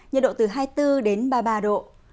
nhiệt độ từ hai mươi bốn đến ba mươi ba độ